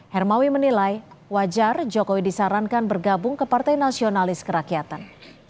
hermawi menilai wajar jokowi disarankan bergabung ke partai nasionalis kerakyatan